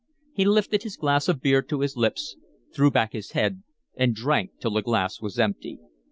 He lifted his glass of beer to his lips, threw back his head, and drank till the glass was empty.